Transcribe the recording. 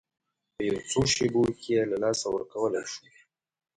په یو څو شېبو کې یې له لاسه ورکولی شو.